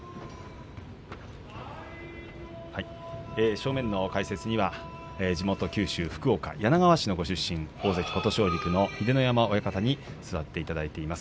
正面の解説には地元九州福岡柳川市出身の大関琴奨菊の秀ノ山親方に座っていただいています。